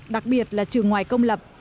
đặc biệt là trường ngoài công lập